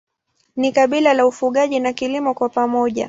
Ni kabila la ufugaji na kilimo kwa pamoja.